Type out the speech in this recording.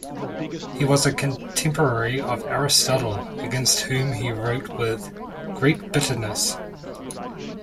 He was a contemporary of Aristotle, against whom he wrote with great bitterness.